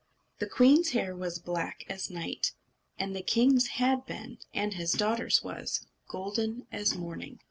The queen's hair was black as night; and the king's had been, and his daughter's was, golden as morning.